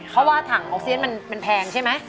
เพราะว่าถังออกซิเจนมันแพงใช่ไหม